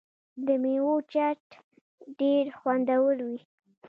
د میوو چاټ ډیر خوندور وي.